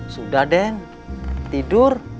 sudah den tidur